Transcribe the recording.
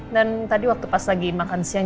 dan tadi waktu pas lagi makan siang